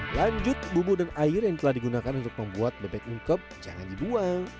lanjut bubu dan air yang telah digunakan untuk membuat bebek ungkep jangan dibuang